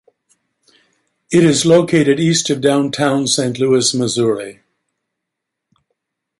It is located east of downtown Saint Louis, Missouri.